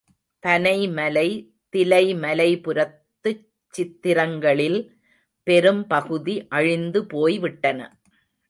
பனைமலை திலைமலைபுரத்துச் சித்திரங்களில் பெரும் பகுதி அழிந்து போய்விட்டன.